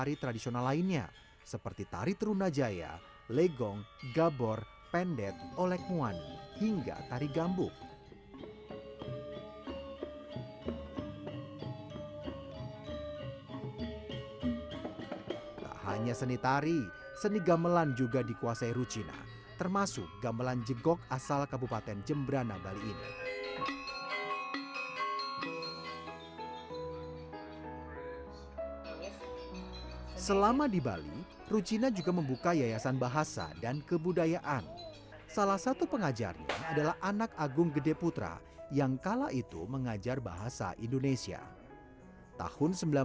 rasa sense of membantu itu sangat besar sekali sih